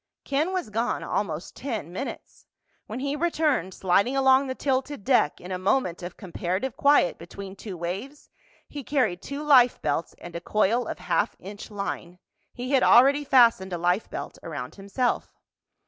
Ken was gone almost ten minutes. When he returned, sliding along the tilted deck in a moment of comparative quiet between two waves, he carried two life belts and a coil of half inch line. He had already fastened a life belt around himself.